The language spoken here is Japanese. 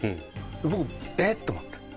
僕、えっと思って。